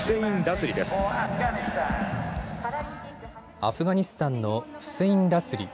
アフガニスタンのフセイン・ラスリ。